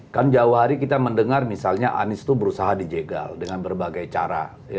kan jauh hari kita mendengar misalnya anies itu berusaha dijegal dengan berbagai cara